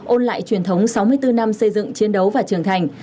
ôn lại truyền thống sáu mươi bốn năm xây dựng chiến đấu và trưởng thành